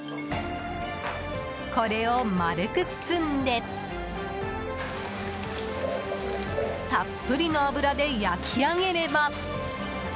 これを丸く包んでたっぷりの油で焼き上げれば。